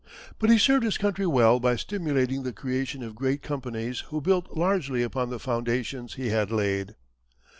But he served his country well by stimulating the creation of great companies who built largely upon the foundations he had laid.